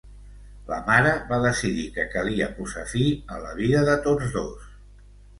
La mare va decidir que calia posar fi a la vida de tots dos.